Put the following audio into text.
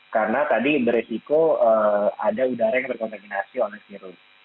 karena tadi beresiko ada udara yang berkontaminasi oleh virus